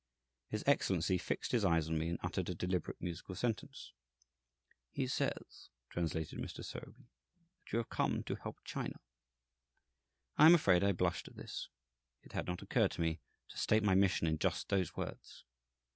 His Excellency fixed his eyes on me and uttered a deliberate, musical sentence. "He says," translated Mr. Sowerby, "that you have come to help China." I am afraid I blushed at this. It had not occurred to me to state my mission in just those words.